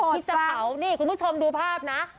ที่จะเผานี่คุณผู้ชมดูภาพนะ